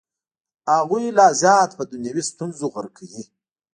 هغوی لا زیات په دنیوي ستونزو غرقوي.